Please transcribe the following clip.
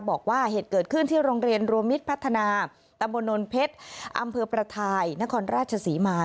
บอกว่าเหตุเกิดขึ้นที่โรงเรียนรวมมิตรพัฒนาตำบลนนเพชรอำเภอประทายนครราชศรีมา